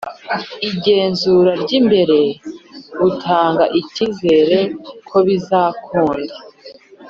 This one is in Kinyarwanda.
igenzura ry imbere butanga icyizere ko bizakunda